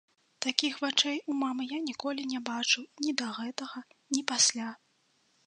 Такіх вачэй у мамы я ніколі не бачыў, ні да гэтага, ні пасля.